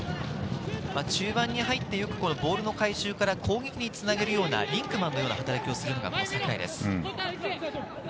中盤に入って、よくボールの回収から攻撃につなげるような、リンクマンのような働きをするのが櫻井です。